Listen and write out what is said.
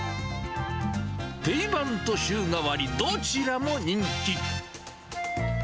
定番と週替わり、どちらも人気。